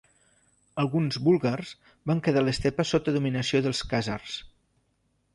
Alguns búlgars van quedar a l'estepa sota dominació dels khàzars.